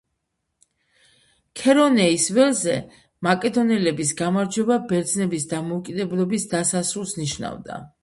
ქერონეის ველზე მაკედონელების გამარჯვება ბერძნების დამოუკიდებლობის დასასრულს ნიშნავდა.